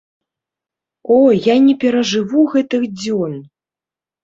О, я не перажыву гэтых дзён!